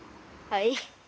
「はい」